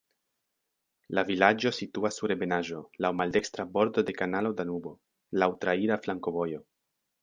La vilaĝo situas sur ebenaĵo, laŭ maldekstra bordo de kanalo Danubo, laŭ traira flankovojo.